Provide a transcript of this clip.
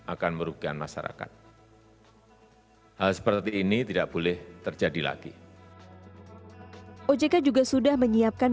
akan merugikan masyarakat hal seperti ini tidak boleh terjadi lagi ojk juga sudah menyiapkan